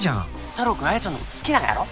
太郎くん彩ちゃんの事好きなんやろ？